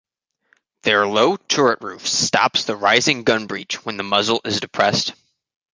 Their low turret roof stops the rising gun breech when the muzzle is depressed.